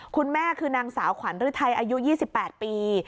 คุณแม่คือนางสาวขวัญฤทัยอายุ๒๘ปี